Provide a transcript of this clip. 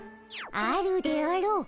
あるであろう。